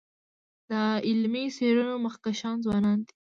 د علمي څيړنو مخکښان ځوانان دي.